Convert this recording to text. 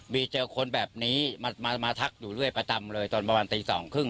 เจอคนแบบนี้มาทักอยู่เรื่อยประจำเลยตอนประมาณตี๒๓๐